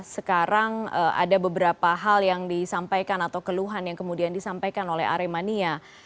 sekarang ada beberapa hal yang disampaikan atau keluhan yang kemudian disampaikan oleh aremania